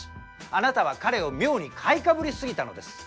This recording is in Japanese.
あなたは彼を妙に買いかぶりすぎたのです。